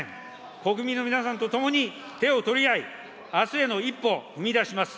国民の皆さんと共に手を取り合い、あすへの一歩を踏み出します。